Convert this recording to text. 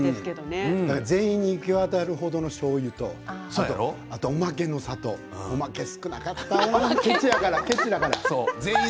全員に行き渡るほどのしょうゆと、あとはおまけの砂糖おまけが少なかった、けちだから。